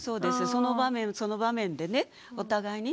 その場面その場面でねお互いに。